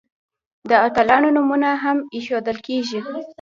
د اتلانو نومونه هم ایښودل کیږي.